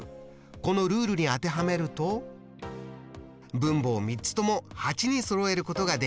このルールに当てはめると分母を３つとも８にそろえることができるってことですね。